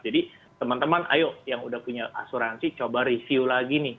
jadi teman teman ayo yang udah punya asuransi coba review lagi nih